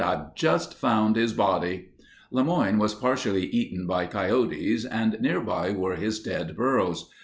"I've just found his body." LeMoyne was partially eaten by coyotes and nearby were his dead burros.